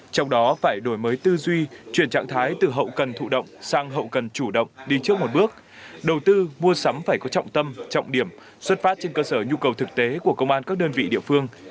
trong đó phải đổi mới tư duy chuyển trạng thái từ hậu cần thụ động sang hậu cần chủ động đi trước một bước đầu tư mua sắm phải có trọng tâm trọng điểm xuất phát trên cơ sở nhu cầu thực tế của công an các đơn vị địa phương